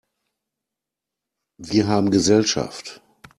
Wir haben Gesellschaft!